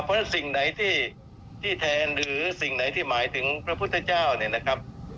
เพราะฉะนั้นสิ่งไหนที่แทนหรือสิ่งไหนที่หมายถึงพระพุทธเจ้าเนี่ยนะครับ